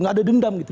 gak ada dendam gitu